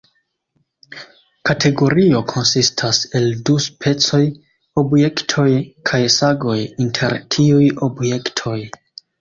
Kategorio konsistas el du specoj: "objektoj" kaj "sagoj" inter tiuj objektoj.